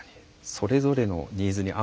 それぞれのニーズに合うように。